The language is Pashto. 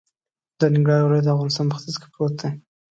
د ننګرهار ولایت د افغانستان په ختیځ کی پروت دی